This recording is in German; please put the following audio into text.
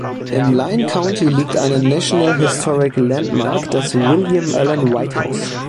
Im Lyon County liegt eine National Historic Landmark, das William Allen White House.